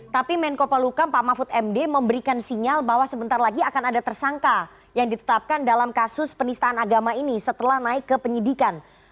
tapi menko pelukam pak mahfud md memberikan sinyal bahwa sebentar lagi akan ada tersangka yang ditetapkan dalam kasus penistaan agama ini setelah naik ke penyidikan